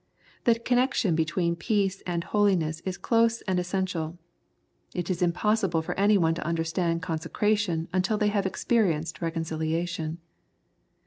The connection between peace and holiness is close and essential. It is impossible for anyone to understand consecration until they have experienced reconciliation.